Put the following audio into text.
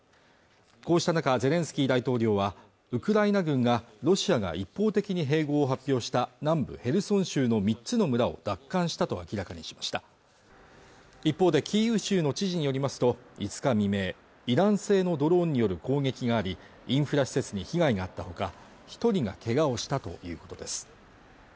こうした中ゼレンスキー大統領はウクライナ軍がロシアが一方的に併合を発表した南部ヘルソン州の３つの村を奪還したと明らかにしました一方でキーウ州の知事によりますと５日未明イラン製ドローンによる攻撃がありインフラ施設に被害があったほか一人がけがをしたということです